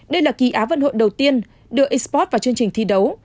đây là kỳ á vận hội đầu tiên đưa expot vào chương trình thi đấu